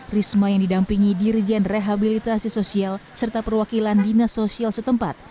risma yang didampingi dirjen rehabilitasi sosial serta perwakilan dinas sosial setempat